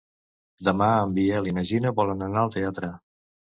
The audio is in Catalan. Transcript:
Demà en Biel i na Gina volen anar al teatre.